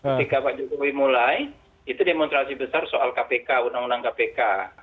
ketika pak jokowi mulai itu demonstrasi besar soal kpk undang undang kpk